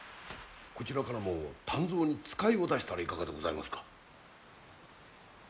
こちらからも湛増に使いを出したらいかがでございますか？